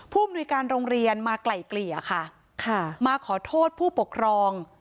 ผู้มนวยการโรงเรียนมาไกล่เกลี่ยมาขอโทษผู้ปกครอง